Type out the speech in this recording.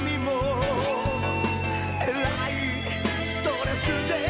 「エラいストレスで」